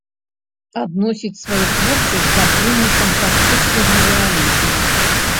Адносіць сваю творчасць да плыні фантастычнага рэалізму.